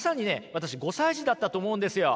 私５歳児だったと思うんですよ。